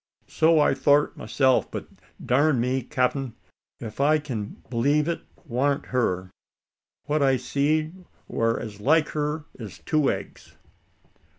"So I'd a thort myself; but darn me, capt'n! if I kin b'lieve it wa'nt her. What I seed war as like her as two eggs."